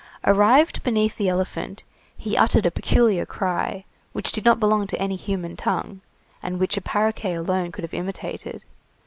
Arrived beneath the elephant, he uttered a peculiar cry, which did not belong to any human tongue, and which a paroquet alone could have imitated.